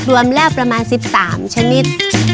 รวมแล้วประมาณ๑๓ชนิด